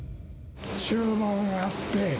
注文があって。